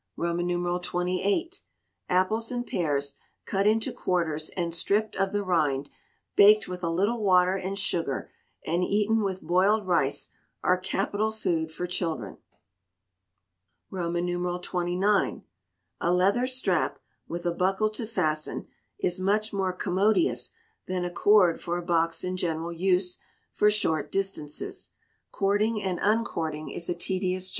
xxviii. Apples and pears, cut into quarters and stripped of the rind, baked with a little water and sugar, and eaten with boiled rice, are capital food for children. xxix. A leather strap, with a buckle to fasten, is much more commodious than a cord for a box in general use for short distances; cording and uncording is a tedious job.